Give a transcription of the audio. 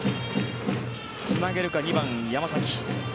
つなげるか、２番、山崎。